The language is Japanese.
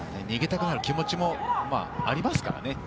逃げたくなる気持ちもありますからね。